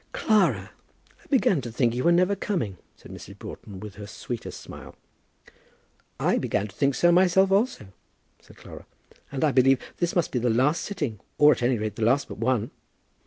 "Clara, I began to think you were never coming," said Mrs. Broughton, with her sweetest smile. "I began to think so myself also," said Clara. "And I believe this must be the last sitting, or, at any rate, the last but one."